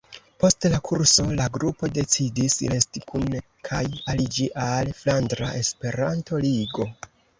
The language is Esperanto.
Post la kurso la grupo decidis resti kune kaj aliĝi al Flandra Esperanto-Ligo.